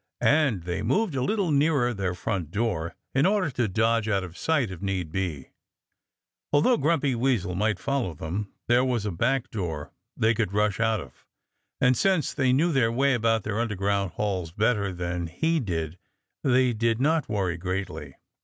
And they moved a little nearer their front door, in order to dodge out of sight if need be. Although Grumpy Weasel might follow them, there was a back door they could rush out of. And since they knew their way about their underground halls better than he did they did not worry greatly.